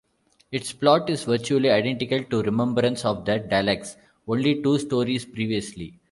Its plot is virtually identical to "Remembrance of the Daleks" only two stories previously.